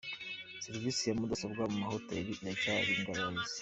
Serivisi ya muradasi mu mahoteli iracyari ingorabahizi